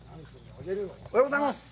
おはようございます。